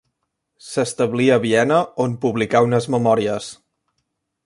S'establí a Viena, on publicà unes memòries.